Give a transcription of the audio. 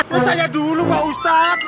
ya saya dulu pak ustad